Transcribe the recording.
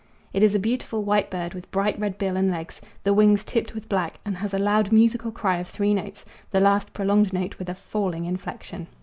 It is a beautiful white bird, with bright red bill and legs, the wings tipped with black; and has a loud musical cry of three notes, the last prolonged note with a falling inflection.